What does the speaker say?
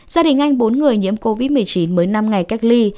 gia đình anh bốn người nhiễm covid một mươi chín mới năm ngày cách ly